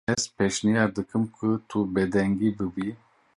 Ez pêşniyar dikim ku tu bêdeng bibî.